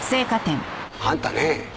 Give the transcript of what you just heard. あんたね